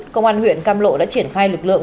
công an huyện cam lộ đã triển khai lực lượng